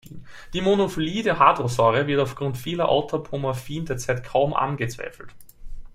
Die Monophylie der Hadrosaurier wird aufgrund vieler Autapomorphien derzeit kaum angezweifelt.